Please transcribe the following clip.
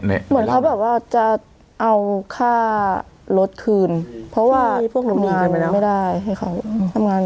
เหมือนเขาแบบว่าจะเอาค่ารถคืนเพราะว่าพวกหนูมีเงินไม่ได้ให้เขาทำงาน